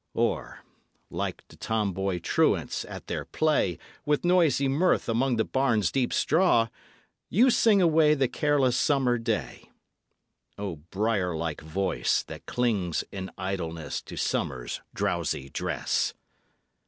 Or, like to tomboy truants, at their play With noisy mirth among the barn's deep straw, You sing away the careless summer day. O brier like voice that clings in idleness To Summer's drowsy dress!